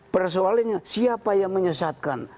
persoalannya siapa yang menyesatkan